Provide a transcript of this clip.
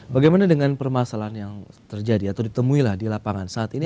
bagaimana dengan permasalahan yang terjadi atau ditemui di lapangan saat ini